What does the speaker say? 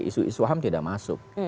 isu isu ham tidak masuk